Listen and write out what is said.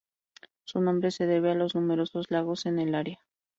Su nombre se debe a los numerosos lagos en el área.